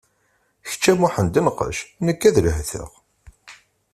Kečč a Muḥend nqec, nekk ad lehteɣ.